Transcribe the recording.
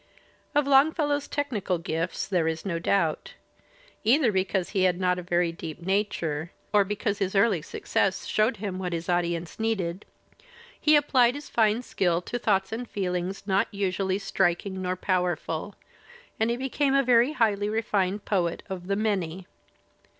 Of Longfellow's technical gifts there is no doubt. Either because he had not a very deep nature or because his early Digitized by Google 108 THE SPIRIT OF AMERICAN LITERATURE success showed him what his audience needed, he applied his fine skill to thoughts and feelings usually not striking nor powerful, and so he became a very highly refined poet of the many.